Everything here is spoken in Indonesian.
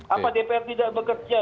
apa dpr tidak bekerja